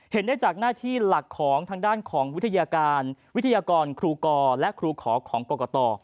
เห็นได้จากหน้าที่หลักของทางด้านของวิทยาการวิทยากรครูกรและครูขอของกรกต